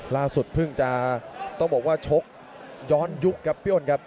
ล่าสุดเพิ่งจะต้องบอกว่าชกย้อนยุคครับพี่อ้นครับ